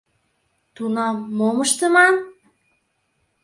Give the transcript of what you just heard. Тунам мом ыштыман?